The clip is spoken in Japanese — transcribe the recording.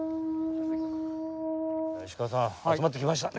石川さん集まってきましたね。